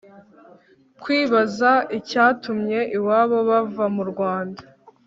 kwibaza icyatumye iwabo bava mu rwanda